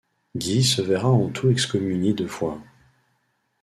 Guy se verra en tout excommunié deux fois.